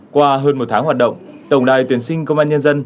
qua hơn một tháng hoạt động